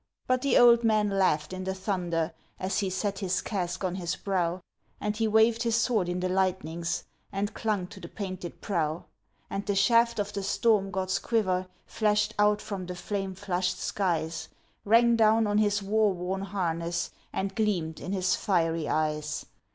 But the old man laughed in the thunder as he set his casque on his brow, And he waved his sword in the lightnings and clung to the painted prow. And the shaft of the storm god's quiver, flashed out from the flame flushed skies, Rang down on his war worn harness, and gleamed in his fiery eyes.